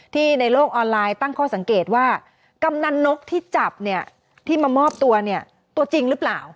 ในโลกออนไลน์ตั้งข้อสังเกตว่ากำนันนกที่จับเนี่ยที่มามอบตัวเนี่ยตัวจริงหรือเปล่า